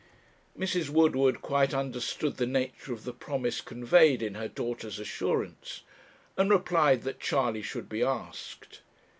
Mrs. Woodward quite understood the nature of the promise conveyed in her daughter's assurance, and replied that Charley should be asked.